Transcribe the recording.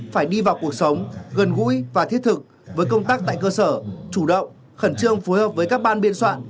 phải đi vào cuộc sống gần gũi và thiết thực với công tác tại cơ sở chủ động khẩn trương phối hợp với các ban biên soạn